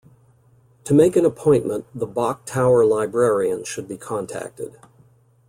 To make an appointment the Bok Tower Librarian should be contacted.